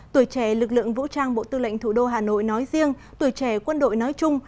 tuổi trẻ lực lượng vũ trang bộ tư lệnh thủ đô hà nội nói riêng tuổi trẻ quân đội nói chung